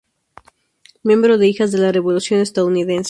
Miembro de Hijas de la Revolución Estadounidense.